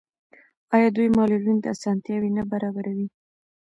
آیا دوی معلولینو ته اسانتیاوې نه برابروي؟